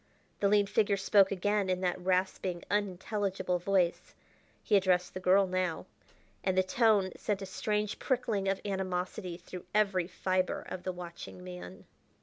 The lean figure spoke again in that rasping, unintelligible voice he addressed the girl now and the tone sent a strange prickling of animosity through every fibre of the watching man.